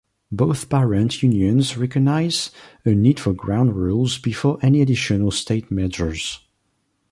Both parent unions recognized a need for ground rules before any additional state mergers.